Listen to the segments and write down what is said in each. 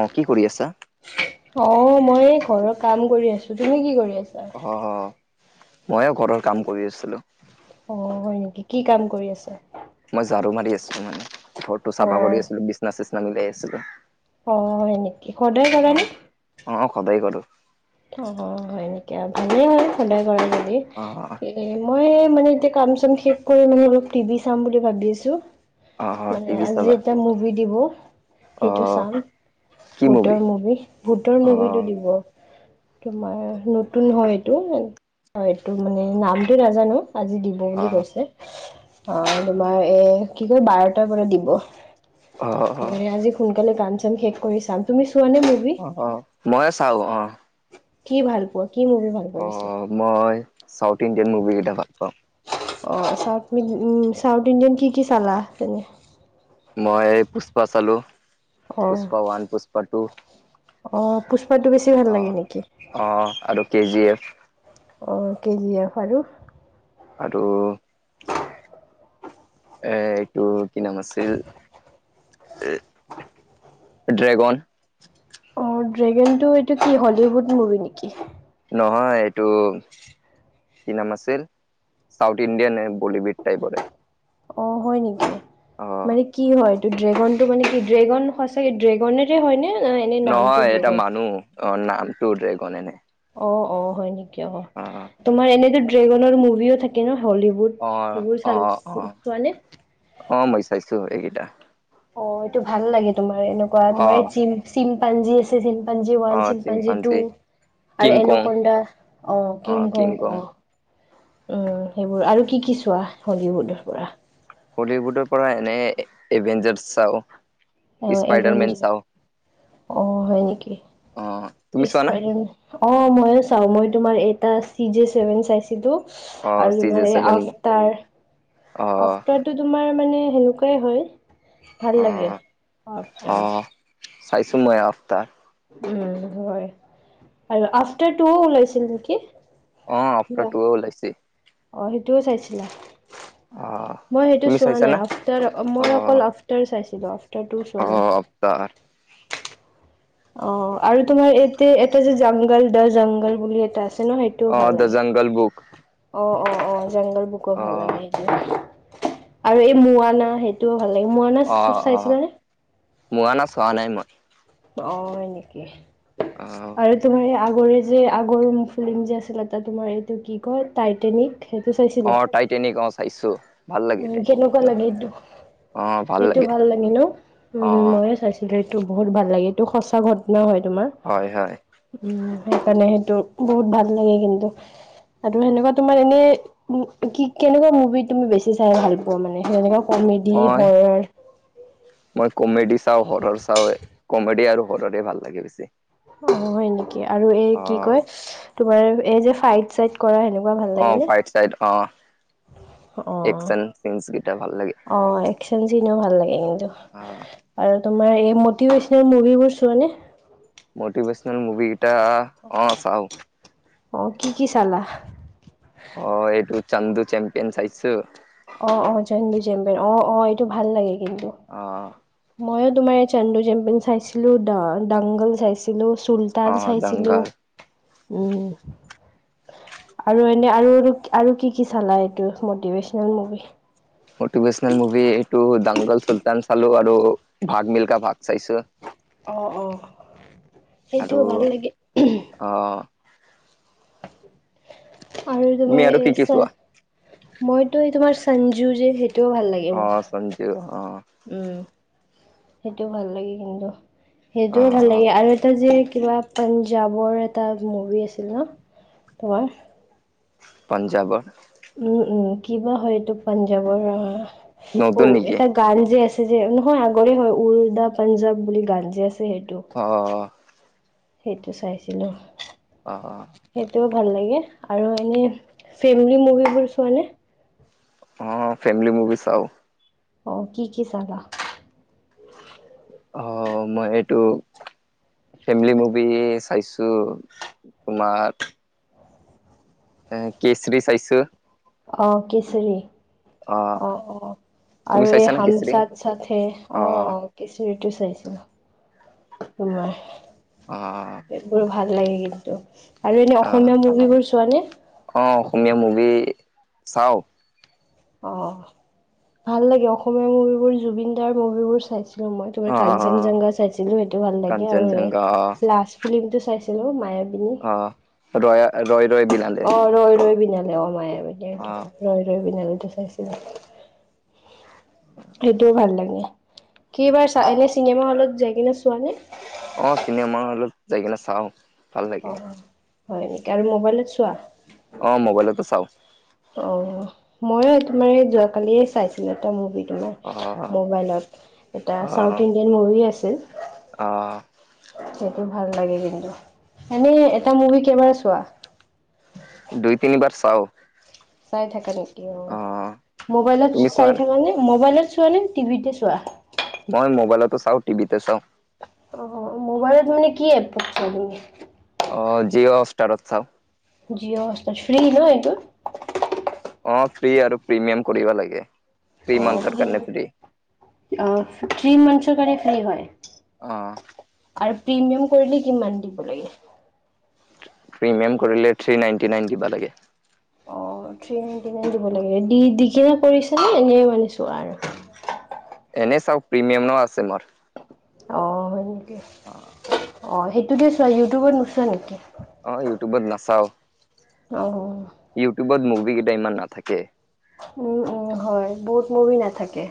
অঁ কি কৰি আছা? অঁ মই এই ঘৰৰ কাম কৰি আছো, তুমি কি কৰি আছা? অঁ অঁ ময়ো ঘৰৰ কাম কৰি আছিলো। অ হয় নেকি কি কাম কৰি আছা? মই ঝাৰু মাৰি আছিলো মানে, ঘৰটো চাফা অ' কৰি আছিলো বিছনা চিচনা মিলাই আছিলো। অ হয় নেকি, সদায় যাবানে। অঁ সদায় কৰো। অঁ হয় নেকি আৰু ভালেই হয় সদায় কৰে যদি। অঁ এ মই মানে এতিয়া কাম চাম শেষ কৰি মানে অলপ টিভি চাম বুলি ভাবি আছো। অ অ মানে টিভি আজি চাবা এটা মুভি দিব। অ সেইটো চাম। ভূতৰ মুভি ভূতৰ অ মুভিতটো দিব। তোমাৰ নতুন হয় এইটো, এইটো মানে নামটো নাজানো আজি দিব। অ বুলি কৈছে, অঁ তোমাৰ এ কি কয় বাৰটাৰ পৰা দিব। অ অ সেইকাৰণে আজি সোনকালে কাম চাম শেষ কৰি চাম। তুমি চোৱা নে মোৰ? অঁ মই চাও অঁ কি ভাল পোৱা কি মুভি ভাল পোৱা অ পিছে? মই চাউথ ইণ্ডিয়ান মুভি কেইটা পাওঁ। অ, চাউথ উ চাউথ ইণ্ডিয়ান কি কি চালা তুমি? মই এই পুষ্পা চালো। অ পুষ্পা ওৱান, পুষ্পা টু অ পুষ্পাটো বেছি ভাল আঁহ লাগে নেকি অঁ আৰু কে জি এফ। অঁ কে জি এফ আৰু। আৰু এ এইটো কি নাম আছিল এ ড্ৰেগন ড্ৰেগেনটো এইটো কি হলিউড মুভি নেকি? নহয় এইটো। কি নাম আছিল? South ইণ্ডিয়ানে Bollywood টাইপৰে। অ হয় নেকি, অ মানে কি হয় এইটো ড্ৰেগন টো মানে কি ড্ৰেগন সচাকে ড্ৰেগনে হয়নে নে এনেই নামটো ড্ৰেগন। অঁ নামটো ড্ৰেগন এনে। অ অ হয় নেকি অ, তোমাৰ এনেতো ড্ৰেগনৰ মুভিও থাকে ন হলিউড। অ সেইবোৰ চাল চোৱা নে? অঁ মই চাইছো এইকেইটা। অ এইটো ভাল লাগে তোমাৰ এনেকুৱা অ তোমাৰ এই চিম চিম পাঞ্জী আছে। চিনপাঞ্জি অ ওৱান, চিনপঞ্জি টু চিম্পাঞ্জী আৰু কিং কং এনাকমডা অঁ কিং কং আঁহ উম সেইবোৰ, আৰু কি কি চোৱা হলিউডৰ পৰা? হলিউডৰ পৰা এনে এভেঞ্জাৰ চাও। স্পাইডাৰ মেন এভেঞ্জাৰ চাও অ হয় নেকি, অ তুমি চোৱা না ইছপাইদাৰ অ মইও চাও, মই তোমাৰ এটা চি জে ছেভেন চাইছিলো। অ আৰু চিজে তোমাৰ এই চেভেন আফতাৰ। অ আফ্টাৰটো তোমাৰ মানে সেনেকুৱাই হয়, ভাল অ লাগে অ আফ্টাৰ। চাইছো মই অফ্টাৰ উম হয় আৰু আফটাৰ টুও ওলাইছিল নেকি? অঁ আফতাৰ টু ওলাইছে। অঁ সেইটোও চাইছিলা। অঁ মই সেইটো চোৱা নাই আফটাৰ মই অকল আফটাৰ চাইছিলো। আফটাৰ টু অ চোৱা নাই। অৱতাৰ। অঁ, আৰু তোমাৰ ইয়াতে এটা যে জংঘল দ জংঘল বুলি এটা আছে ন সেইটো অ ভাল দ্য লাগে জংগল বুক অঁ, অ অ জংগল বুকো অ ভাল লাগে। আৰু এই মোৱানা সেইটোৱো ভাল লাগে মোৱানা অ অ চাইছিলা নে? মোৱানা চোৱা নাই মই। অ হয় নেকি অ আৰু তোমাৰ এই আগৰে যে আগৰ ফিল্ম যে আছিলে এটা তোমাৰ এইটো কি কয় টাইটেনিক সেইটো অ চাইছিলা টাইটেনিক অ চাইছো ভাল লাগে কেনেকুৱা টাইটেনিকটো লাগে এইটোক? সেইটো ভাল লাগে ন অ উম ময়ো চাইছোঁ। এইটো বহুত ভাল লাগে এইটো সঁচা ঘটনা হয় তোমাৰ। হয় হয়। উম সেইকাৰণে সেইটো বহুত ভাল লাগে কিন্তু আৰু সেনেকুৱা তোমাৰ এনেই কি কেনেকুৱা মুভি তুমি বেছি চাই ভাল পোৱা মানে যেনেকে কমেডি মই হৰৰ মই কমেডি চাওঁ হৰৰ চাও কমেডি আৰু হৰৰে ভাল লাগে বেছি। অ হয় নেকি আৰু এই অ কি কয় তোমাৰ এই যে ফাইড চাইড কৰা সেনেকুৱা ভাল অ লাগে নে? ফাইট অ। অ একচন চিনচ কেইটা ভাল লাগে আহ একচন চিনো ভাল লাগে কিন্তু। অ আৰু তোমাৰ এই মটিভেশচনেল মুভিবোৰ চোৱানে? মতিভেশনেল মুভি কেইটা অ চাওঁ। অ কি কি চালা? অ এইটো চান্দু চেম্পিয়ন চাইছোঁ। অ অ ছান্দু চেম্পিয়ন অ অ এইটো ভাল লাগে কিন্তু। অ। ময়ো তোমাৰ চান্দু চেম্পিয়ন চাইছিলো দাংগল চাইছিলো চ অ টান চাইছিলো দংগল উম আৰু এনে আৰু আৰু কি কি চালা এইটো মটিভেশচনেল মুভি? মটিভেশচনেল মুভি এইটো দাংগল, চুলতান চালো আৰু ভাগ মিলকা ভাগ চাইছোঁ। অ অ সেইটো ভাল লাগে। অঁ। আৰু তুমি তোমাৰ আৰু এ কি কি চ চোৱা মইতো এই তোমাৰ সঞ্জু যে সেইটোৱো ভাল লাগে। অ মোক চাঞ্জু অ। উম। সেইটোও ভাল লাগে কিন্তু সেইটোও ভাল আহ লাগে আৰু এটা যে কিবা পাঞ্জাৱৰ এটা মুভি আছিল ন তোমাৰ পাঞ্জাৱৰ? উম উম কিবা হয় এইটো পাঞ্জাৱৰ অ অ নতুন নেকি এটা গানজে আছে যে নহয় আগৰে হয় উৰুদা পাঞ্জাব বুলি গানজে আছে সেইটো। অ। সেইটো চাইছিলোঁ। অ অ। সেইটোৱো ভাল লাগে আৰু এনে ফেমিলি মুভিবোৰ চোৱা নে? অঁ ফোমিলি মুভি ছাওঁ। অ কি কি চালা? অ মই এইটো ফেমিলি মুভি চাইছোঁ তোমাৰ অঁ! কেচৰি চাইছোঁ অঁ! কিচৰি অ অঁ অঁ তুমি আৰু এই চাইছা নে হাম কেচৰি চাথ চাথ হে অ অঁ। কিচৰিটো চাইছিলোঁ তোমাৰ অঁ,, এইবোৰ ভাল লাগে কিন্তু আৰু এনে অসমীয়া মুভিবোৰ চোৱা নে? অঁ অসমীয়া মুভি চাওঁ। অঁ ভাল লাগে অসমীয়া মুভিবোৰ জুবিন দাৰ মুভিবোৰ চাইছোঁ মই তোমাৰ অ কাঞ্চন জংঘা চাইছিলো সেইটো ভাল লাগে আৰু কাঞ্চনজংঘা অ লাছ ফিল্ম টো চাইছিলো মায়াবিনী অঁ! ৰৈয়া ৰৈ ৰৈ বিনালে অঁ! ৰৈ ৰৈ বিনালে অ মায়াবনী অ' ৰৈ ৰৈ বিনালে ত চাইছিলো। উম‌‌- সেইটোও ভাল লাগে কিইবাৰ চাই চিনেমা হলত যায় কিনে চোৱা নে? অঁ! চিনেমা হলত যাই কিনে চাওঁ। ভাল অ লাগে হয় নেকি আৰু মোবাইলত চোৱা অঁ মোবাইলতো চাওঁ অঁ! মই তুোমাৰ এই যোৱাকালিয়ে চাইছিলো এটা মুভি তোমাৰ অ' মোবাইলত এটা চাউথ ইণ্ডিয়ান মুভি আছিল অঁ সেইটো ভাল লাগে কিন্তু এনেই এটা মুভি কেই বাৰ চোৱা? দুই তিনিবাৰ চাওঁ চাই থাকা নেকি অ মোবাইলত তুমি চাই চোৱা থাক নে মোবাইলত চোৱা নে টিভিতে চোৱা মই মোবাইলতো চাওঁ টিভিতো চাওঁ। অঁ মোবাইলত মানে কি এপ চোৱা তুমি অ জিঅ' ষ্টাৰত চাওঁ। জিঅ ফ্ৰী ন এইটো অ ফ্ৰী আৰু প্ৰিমিয়াম কৰিব লাগে থ্ৰী মান্থৰ কাৰণে ফ্ৰী অঁ থ্ৰী মান্থছৰ কাৰণে ফ্ৰী হয়। অঁ! আৰু প্ৰিমিয়াম কৰিলে কিমান দিব লাগে। প্ৰিমিয়াম কৰিলে থ্ৰী নাইনটি নাইন দিব লাগে অঁ থ্ৰী নাইণ্টি নাইন দিব অ', লাগে দিকনে কৰিছেনে এনেই মানে ছোৱা আৰু এনেই চাওঁ প্ৰিমিয়াম আছে মোৰ অঁ হয় নেকি অঁ! অঁ সেইটো দে চোৱা আৰু ইউটিউবত নোচোৱা নেকি? অঁ ইউটিউবত নাচাওঁ। অঁ অঁ! ইউটিউবত মুভি কেইটা ইমান নাথাকে। উমঁ উমঁ হয় বহুত মুভি নাথাকে।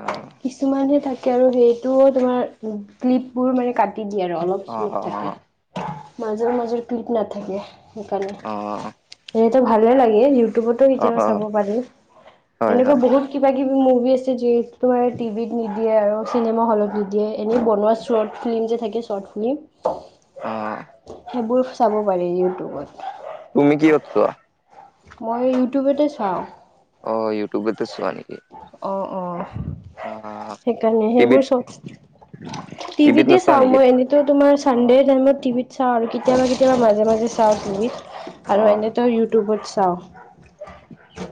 অ' কিছুমানে থাকে আৰু সেইটো তোমাৰ ক্লিপ বোৰ মানে কাটি দিয়ে আৰু অলপ অ' ক্লিপ অ' থাকে। মাজৰ মাজৰ ক্লিপ নাথাকে সেইকাৰণে অ'। সেইটো ভালেই লাগে ইউটিউবতো অ', কেতিয়াবা চাব অ', পাৰি হয়, এনেকুৱা হয়। বহুত কিবা কিবি মুভি আছে যিহেতু তোমাৰ টিভিত নিদিয়ে আৰু চিনেমা হলত নিদিয়ে এনেই বনোৱা শৰ্ট ফিল্ম যে থাকে শৰ্ট ফিল্ম অ সেইবোৰ চাব পাৰি ইউটিউবত তুমি কিহত চোৱা? মই ইউটিউবতে চাওঁ। অ ইউটিউব এ চোৱা নেকি। অ অ অ'। সেইকাৰণে সেইবোৰ টিভিত, চ টিভিত টিভিতে নোচোৱা চাও নেকি? মই এনে তোমাৰ অ', চানডেৰ টাইমত টিভিত চাওঁ আৰু কেতিয়াবা কেতিয়াবা অ', মাজে মাজে চাওঁ টিভিত আৰু এনে অ', তই ইউটিউবত চাও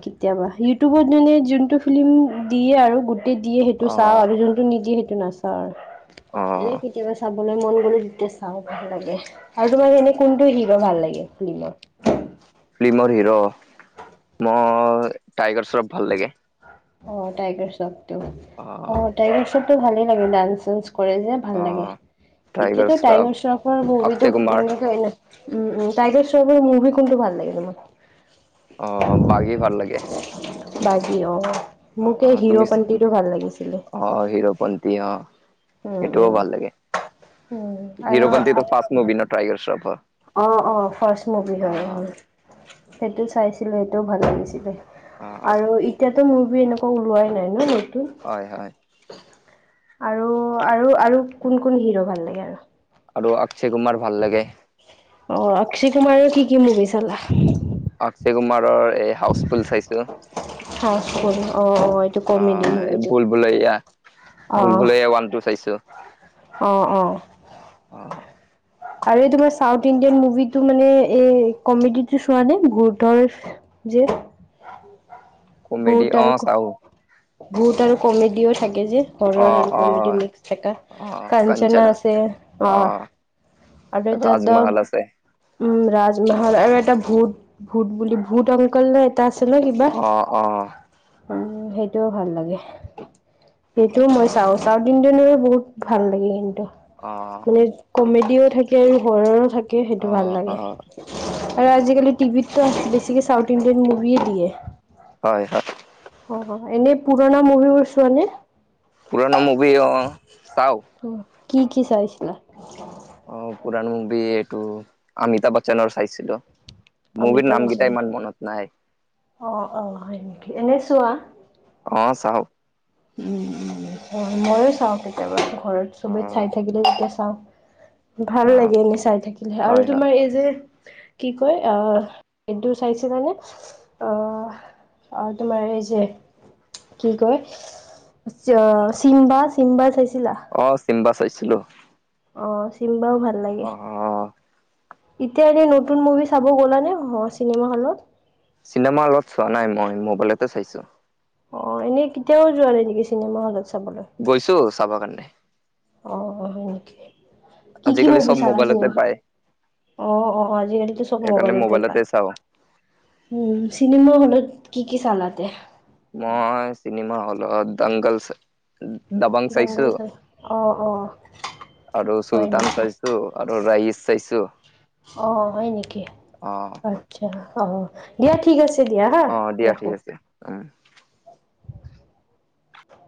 কেতিয়াবা ইউটিউবত মানে যোনটো ফিলিম দিয়ে আৰু গোটেই দিয়ে সেইটো চাওঁ অ'। আৰু যোনটো নিদিয়ে সেইটো নাচাওঁ আৰু এনে অ'। কেতিয়াবা চাবলৈ মন গলো যেতিয়া চাওঁ ভাল লাগে আৰু তোমাৰ এনে কোনটো হিৰ' ভাল লাগে, ফিল্মৰ? ফিল্মৰ হিৰ'! অ', টাইগাৰ চৰফ ভাল লাগে। অ', টাইগাৰ চফ্টক। অ', টাইগাৰ চফ্টক ভালেই লাগে, ডান্স চান্স কৰে যে। ভাল লাগে। অ', এতিয়াতো টাইগাৰ চৰ্ফৰ মুভিতটো অক্ষয় কুমাৰ, মানে উম, উম। টাইগাৰ চৰ্ফৰ মুভি কোনটো ভাল লাগে তোমাৰ? অ', বাগী ভাল লাগে। বাগি অ',। অ', মোক এই অ', তুমি হিৰ' পন্তিটো ভাল লাগিছিলে। অ', হিৰোপন্তি অ',। সেইটোও উম ভাল লাগে। আৰু হিৰ 'পন্তিটো ফাষ্ট মুভি ন টাইগাৰ চৰ্ফৰ। অ', - অ', ফাষ্ট মুভি হয়। সেইটো চাইছিলোঁ, সেইটোও ভাল লাগিছিলে। অ'। আৰু এতিয়াতো মুভি এনেকুৱা ওলোৱাই নাই ন, নতুন? হয়, হয়। আৰু, আৰু, আৰু কোনকোন হিৰ' ভাল লাগে, আৰু? আৰু অক্ষয় কুমাৰ ভাল লাগে। অ',। অক্ষয় কুমাৰৰ কি কি মুভি চালা? অক্ষয় কুমাৰৰ এই হাউচ ফুল চাইছোঁ। অ', অ',। এইটো কমেডী মুভিটো। ভুলেয়া, অ ভুলভুলেয়া ওৱানটো চাইছোঁ। অ', অ',। অ',। আৰু এই তোমাৰ চাউথ ইণ্ডিয়ান মুভিটো মানে এ কমেডীটো চোৱা নে, এই ভুতৰ? যি কমেডী অ', আৰু চাওঁ। ভূত আৰু কমেডীও থাকে যে। অ হৰৰ অ কমেডী মিক্স থাকা অ কাঞ্চনা কঞ্চনা আছে। অ',। আৰু এটা দ ৰাজমহল আছে উম ৰাজমহল আৰু এটা ভূত ভূত বুলি ভূত অংকল নে এটা আছিলে কিবা? অ অ',। সেইটো ভাল লাগে। সেইটোও মই চাওঁ, চাওঁ ছাউথ ইন্ডিয়ান বহুত ভাল লাগে কিন্তু। অ',। কমেডীও থাকে আৰু হৰৰো থাকে, অ সেইটো ভাল অ লাগে। আৰু আজিকালি টিভিত বেছিকে চাউথ ইণ্ডিয়ান মুভিয়ে দিয়ে। হয়, হয়। অ', এনেই পুৰণা মুভিবোৰ চোৱা নে? পুৰণা মুভি অ', চাওঁ। অ কি, কি চাইছিলা? অ', পুৰণা মুভি, এইটো অমিতা বচ্চনৰ চাইছিলো। মুভিৰ অমিতাভ নামকেইটা বচ্চন ইমান মনত নাই? অ', অ', হয় নেকি, এনেই চোৱা? অ', চাওঁ। উম উম হয়, ময়ো চাওঁ কেতিয়াবা, ঘৰত অ চবেই চাই থাকিলে, তেতিয়া চাওঁ। ভাল অ লাগে, এনেই চাই থাকিলে আৰু হয় হয় তোমাৰ এই যে কি কয় অ', এইটো চাইছিলা নে? অহ আৰু তোমাৰ এই যে কি কয়? অ', চিম্বা-চিম্বাৰ চাইছিলা? অ', চিম্বা চাইছিলোঁ। অ', চিম্বাও ভাল লাগে। অ এতিয়া, এনেই নতুন মুভি চাব গ'লা নে, অ', চিনেমা হলত? চিনেমা হলত চোৱা নাই মই, মোবাইলতে চাইছোঁ। অ' এনেই কেতিয়াও যোৱা নাই নেকি চিনেমা হলত চাবলৈ। গৈছো চাবৰ কাৰণে। অ' অ' হয় নেকি, কি কি আজিকালি মুভি চব চালা মোবাইলতে চিনেমা, পায় অ' অ' আজিকালিতো সব সেইকাৰণে মোবাইলতে পায়। চাওঁ উম চিনেমা হলত কি কি চালাতে। মই চিনেমা হলত দংগলছ, দাবাঙ দংগল চালা অ অ আৰু হয় চুলতান নেকি? চাইছোঁ আৰু ৰাইচ চাইছোঁ। অ' হয় নেকি আচ্ছা অ দিয়া ঠিক আছে। দিয়া হা, অ' দিয়া ঠিক ৰাখোঁ। আছে উম'।